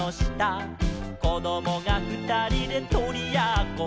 「こどもがふたりでとりやっこ」